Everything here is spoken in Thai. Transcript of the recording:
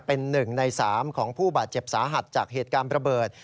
เป็น๑ใน๓ของผู้บาดเจ็บสาหัสจากเหตุการณ์ระเบิด